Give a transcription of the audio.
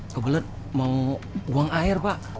kebelet mau buang air pak